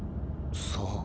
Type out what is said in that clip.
さあ。